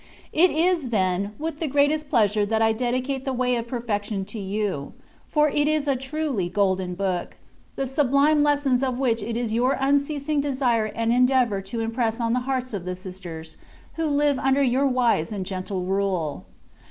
It is, then, with the greatest pleasure that I dedicate the " Way of Perfection'* to you ; for it is a truly golden book, the sublime lessons of which it is your unceas ing desire and endeavour to impress on the hearts of the sisters, who live under your wise and gentle rule.